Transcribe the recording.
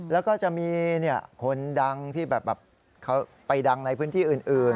แล้วก็จะมีคนดังที่แบบเขาไปดังในพื้นที่อื่น